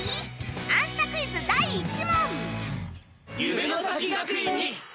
『あんスタ』クイズ第１問